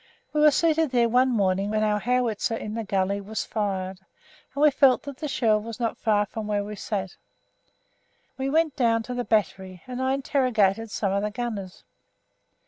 We were seated there one morning when our howitzer in the gully was fired, and we felt that the shell was not far from where we sat. We went down to the Battery, and I interrogated some of the gunners.